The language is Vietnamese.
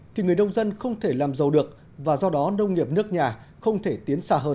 thì người nông dân không thể làm giàu được và do đó nông nghiệp nước nhà không thể tiến xa hơn